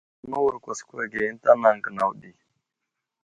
Nəwuro a kwaskwa ge ənta anaŋ gənaw ɗi.